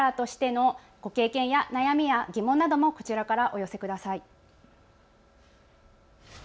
ビジネスケアラーとしてのご経験や悩みや疑問などもこちらからお寄せください。